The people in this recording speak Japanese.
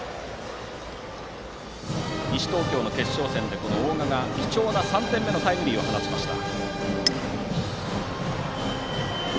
西東京の決勝戦で大賀が貴重な３点目のタイムリーを放ちました。